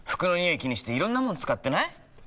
気にしていろんなもの使ってない？